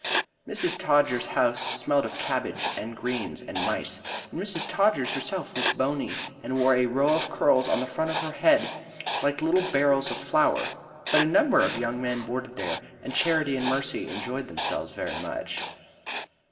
Mrs. Todgers's house smelled of cabbage and greens and mice, and Mrs. Todgers herself was bony and wore a row of curls on the front of her head like little barrels of flour. But a number of young men boarded there, and Charity and Mercy enjoyed themselves very much.